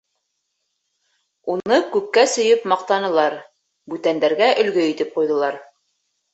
Уны күккә сөйөп маҡтанылар, бүтәндәргә өлгө итеп ҡуйҙылар.